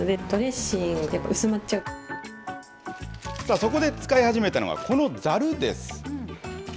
そこで使い始めたのがこのザルです。